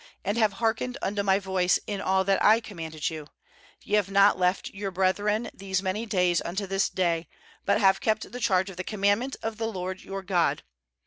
and have hearkened unto my voice in all that I com manded you; sye have not left your brethren these many days unto this day, but have kept the charge of the commandment of the LORD your God.